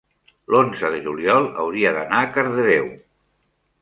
l'onze de juliol hauria d'anar a Cardedeu.